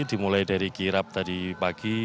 dimulai dari kirap tadi pagi